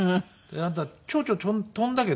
「あんたチョウチョ飛んだけど」